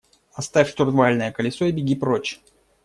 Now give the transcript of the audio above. – Оставь штурвальное колесо и беги прочь.